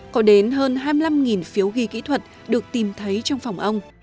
có đến hơn hai mươi năm phiếu ghi kỹ thuật được tìm thấy trong phòng ông